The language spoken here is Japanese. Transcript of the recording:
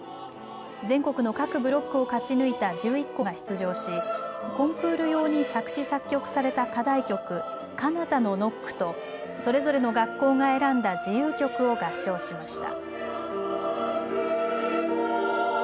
全国の各ブロックを勝ち抜いた１１校が出場しコンクール用に作詞・作曲された課題曲、彼方のノックとそれぞれの学校が選んだ自由曲を合唱しました。